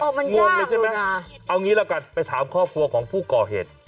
มันงงเลยใช่ไหมเอางี้ละกันไปถามครอบครัวของผู้ก่อเหตุ